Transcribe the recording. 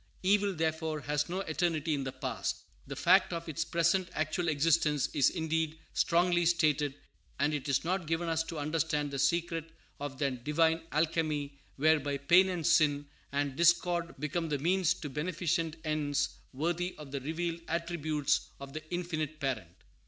Evil, therefore, has no eternity in the past. The fact of its present actual existence is indeed strongly stated; and it is not given us to understand the secret of that divine alchemy whereby pain, and sin, and discord become the means to beneficent ends worthy of the revealed attributes of the Infinite Parent.